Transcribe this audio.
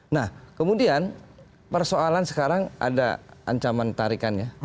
nah kemudian persoalan sekarang ada ancaman tarikannya